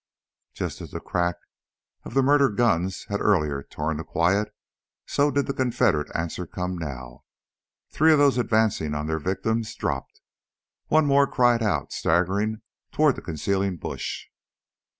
Just as the crack of the murder guns had earlier torn the quiet, so did the Confederate answer come now. Three of those advancing on their victims dropped. One more cried out, staggering toward the concealing bush.